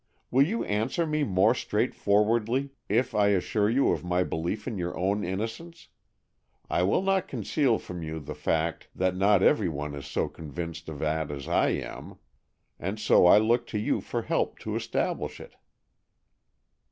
Will you answer me more straightforwardly if I assure you of my belief in your own innocence? I will not conceal from you the fact that not every one is so convinced of that as I am, and so I look to you for help to establish it."